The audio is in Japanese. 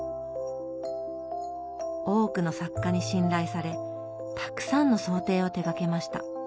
多くの作家に信頼されたくさんの装丁を手がけました。